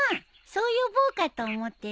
そう呼ぼうかと思ってさ。